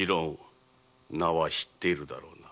名前は知っているだろうな。